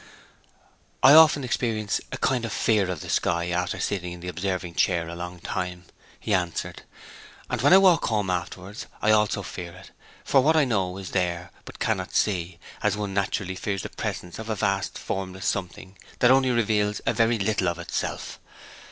'I often experience a kind of fear of the sky after sitting in the observing chair a long time,' he answered. 'And when I walk home afterwards I also fear it, for what I know is there, but cannot see, as one naturally fears the presence of a vast formless something that only reveals a very little of itself.